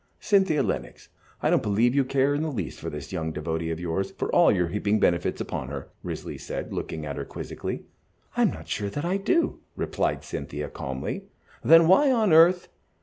"Cynthia Lennox, I don't believe you care in the least for this young devotee of yours, for all you are heaping benefits upon her," Risley said, looking at her quizzically. "I am not sure that I do," replied Cynthia, calmly. "Then why on earth